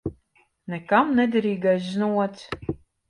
Nekam nederīgais znots.